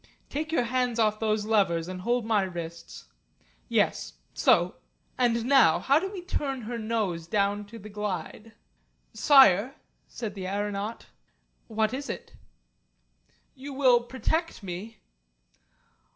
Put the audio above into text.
Take your hands off those levers, and hold my wrists. Yes so. And now, how do we turn her nose down to the glide?" "Sire," said the aeronaut. "What is it?" "You will protect me?"